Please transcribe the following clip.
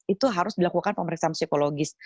itu harus dilakukan pemeriksaan psikologis